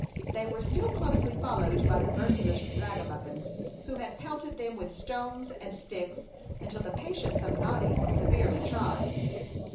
They were still closely followed by the merciless ragamuffins, who had pelted them with stones and sticks, until the patience of Noddy was severely tried.